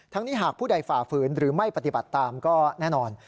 นี้หากผู้ใดฝ่าฝืนหรือไม่ปฏิบัติตามก็แน่นอน